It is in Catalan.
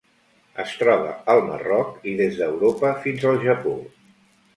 Es troba al Marroc i des d'Europa fins al Japó.